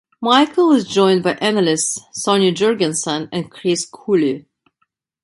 Michael is joined by analysts Sonny Jurgensen and Chris Cooley.